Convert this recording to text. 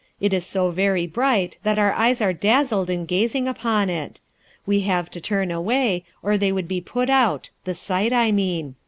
It is so very bright that our eyes are dazzled in gazing upon it. We have to turn away, or they would be put out, the sight, I mean.